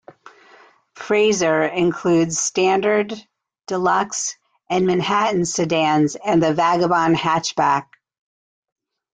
Frazer includes Standard, Deluxe and Manhattan sedans and the Vagabond hatchback.